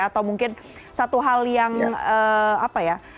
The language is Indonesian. atau mungkin satu hal yang apa ya